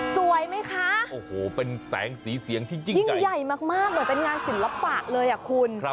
สวยไหมคะยิ่งใหญ่มากเป็นงานสินลับปากเลยคุณ